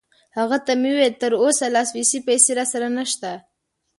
هغه ته مې وویل: تراوسه لا سویسی پیسې راسره نشته.